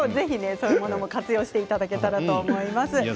そういうのも活用していただけたらと思います。